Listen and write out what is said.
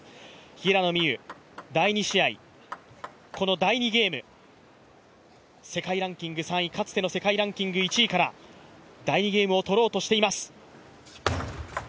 平野美宇、第２試合、この第２ゲーム世界ランキング３位、かつての世界ランキング１位から第２ゲームを取ろうとしています。